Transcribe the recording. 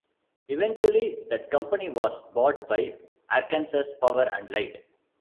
Eventually, that company was bought by Arkansas Power and Light.